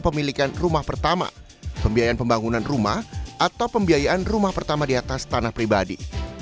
pemilikan rumah pertama pembiayaan pembangunan rumah atau pembiayaan rumah pertama di atas tanah pribadi